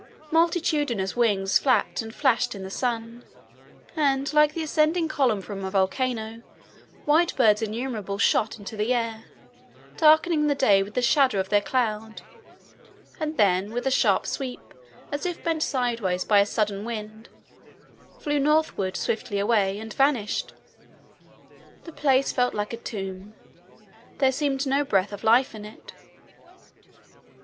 Multitudinous wings flapped and flashed in the sun, and, like the ascending column from a volcano, white birds innumerable shot into the air, darkening the day with the shadow of their cloud, and then, with a sharp sweep, as if bent sideways by a sudden wind, flew northward, swiftly away, and vanished. The place felt like a tomb. There seemed no breath of life left in it.